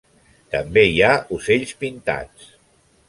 També hi ha ocells pintats.